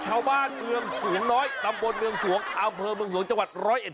ชาวบ้านเมืองสูงน้อยตำบลเมืองสวงอำเภอเมืองสวงจังหวัดร้อยเอ็ด